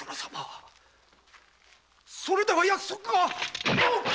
それでは約束が！